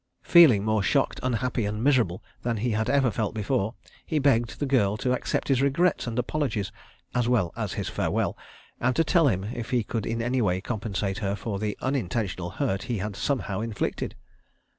Feeling more shocked, unhappy and miserable than he had ever felt before, he begged the girl to accept his regrets and apologies—as well as his farewell—and to tell him if he could in any way compensate her for the unintentional hurt he had somehow inflicted.